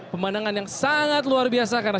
pemandangan yang sangat luar biasa karena